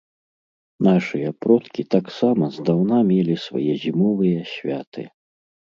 Нашыя продкі таксама здаўна мелі свае зімовыя святы.